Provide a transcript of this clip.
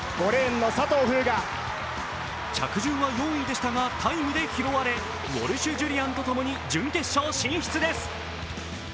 着順は４位でしたが、タイムで拾われ、ウォルシュ・ジュリアンとともに、準決勝進出です。